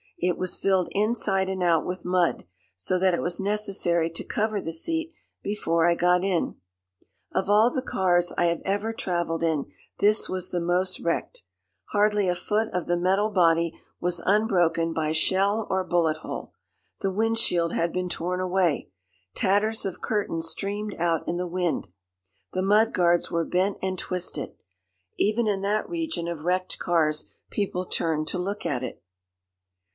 It was filled inside and out with mud, so that it was necessary to cover the seat before I got in. Of all the cars I have ever travelled in, this was the most wrecked. Hardly a foot of the metal body was unbroken by shell or bullet hole. The wind shield had been torn away. Tatters of curtain streamed out in the wind. The mud guards were bent and twisted. Even in that region of wrecked cars people turned to look at it.